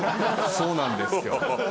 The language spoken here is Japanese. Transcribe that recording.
そうなんですよ。